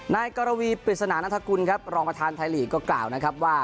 นายกรวีปริศนานัฐกุลครับรองประธานไทยลีกก็กล่าวนะครับว่า